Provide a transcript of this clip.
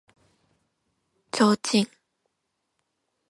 提灯